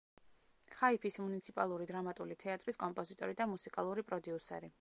ხაიფის მუნიციპალური დრამატული თეატრის კომპოზიტორი და მუსიკალური პროდიუსერი.